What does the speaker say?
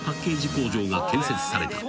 工場が建設された。